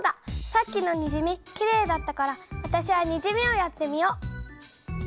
さっきのにじみきれいだったから私はにじみをやってみよう。